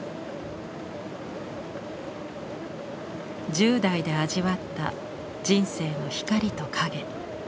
１０代で味わった人生の光と影。